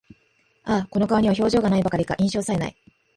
ああ、この顔には表情が無いばかりか、印象さえ無い